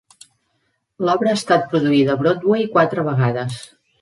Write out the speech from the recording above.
L'obra ha estat produïda a Broadway quatre vegades.